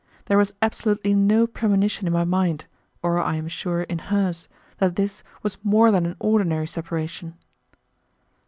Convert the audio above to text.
There was absolutely no premonition in my mind, or I am sure in hers, that this was more than an ordinary separation.